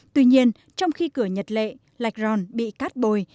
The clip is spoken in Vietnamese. tuy nhiên trong khi cửa nhật lệ lạch ron bị cát bồi